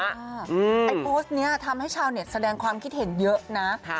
ไอ้โพสต์นี้ทำให้ชาวเน็ตแสดงความคิดเห็นเยอะนะ